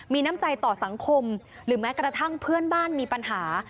มีน้ำใจต่อสังคมหรือแม้กระทั่งเพื่อนบ้านมีปัญหา